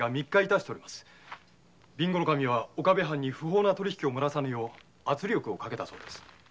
備後守は岡部藩に不法な取り引きをもらさぬよう圧力をかけてます。